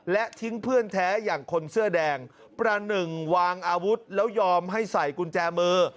และทิ้งเพื่อนแท้อย่างคนเสื้อแดงประหนึ่งวางอาวุธแล้วยอมให้ใส่กุญแจมือ